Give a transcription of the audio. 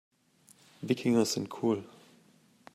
Wikinger sind cool.